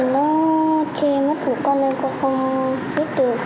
nó chê mất một con nên con không biết được